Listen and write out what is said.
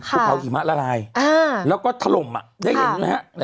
ภูเขาหิมะละลายแล้วก็ถล่มได้อย่างนี้ไหมฮะ